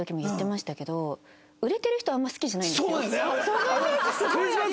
そのイメージすごいあります。